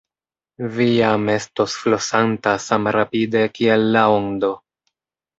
Vi jam estos flosanta samrapide kiel la ondo.